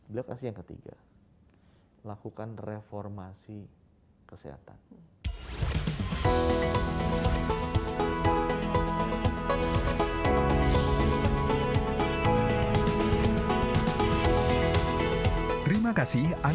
beliau kasih yang ketiga lakukan reformasi kesehatan